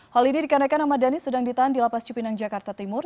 hal ini dikarenakan ahmad dhani sedang ditahan di lapas cipinang jakarta timur